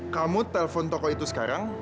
kamu telpon toko itu sekarang